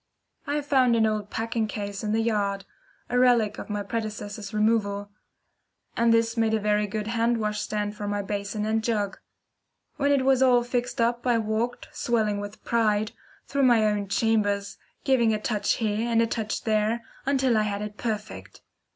I found an old packing case in the yard a relic of my predecessor's removal and this made a very good wash hand stand for my basin and jug. When it was all fixed up I walked, swelling with pride, through my own chambers, giving a touch here and a touch there until I had it perfect.